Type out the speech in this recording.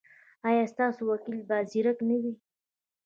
ایا ستاسو وکیل به زیرک نه وي؟